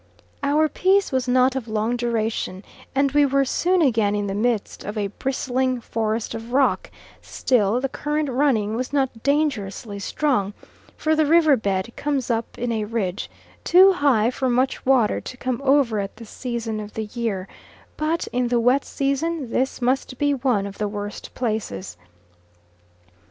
Our peace was not of long duration, and we were soon again in the midst of a bristling forest of rock; still the current running was not dangerously strong, for the river bed comes up in a ridge, too high for much water to come over at this season of the year; but in the wet season this must be one of the worst places.